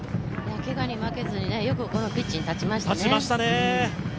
けがに負けずに、よくこのピッチに立ちましたね。